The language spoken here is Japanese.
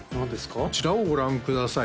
こちらをご覧ください